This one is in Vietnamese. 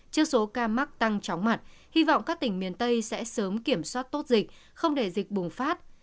trước số ca mắc tăng chóng mặt hy vọng các tỉnh miền tây sẽ sớm kiểm soát tốt dịch không để dịch bùng phát